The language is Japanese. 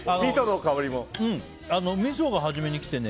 みそが初めに来てね。